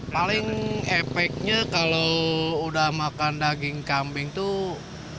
paling efeknya kalau udah makan daging kambing tuh